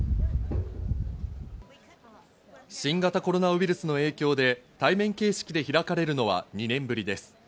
新型コロナウイルスの影響で対面形式で開かれるのは２年ぶりです。